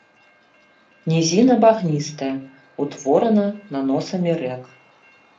Нізіна багністая, утворана наносамі рэк.